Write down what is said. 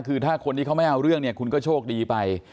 คือถ้าคนที่เขาไม่เอาเรื่องเนี่ยคุณก็โชคดีไป